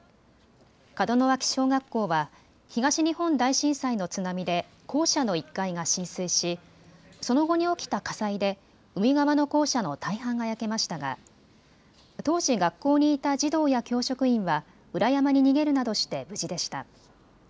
門脇小学校は東日本大震災の津波で校舎の１階が浸水しその後に起きた火災で海側の校舎の大半が焼けましたが当時、学校にいた児童や教職員は裏山に逃げるなどして無事でした。